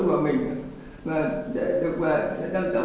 và văn mão đã khai nhận